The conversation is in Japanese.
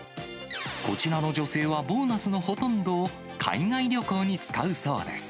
こちらの女性はボーナスのほとんどを海外旅行に使うそうです。